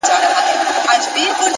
هوښیاري د بې ځایه خبرو مخه نیسي,